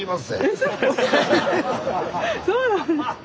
そうなんですか。